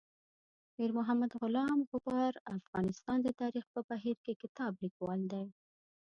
میر محمد غلام غبار افغانستان د تاریخ په بهیر کې کتاب لیکوال دی.